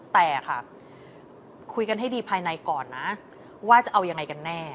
แต่ค่ะคุยกันให้ดีภายในก่อนนะว่าจะเอายังไงกันแน่